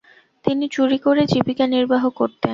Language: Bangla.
তিনি চুরি করে জীবিকা নির্বাহ করতেন।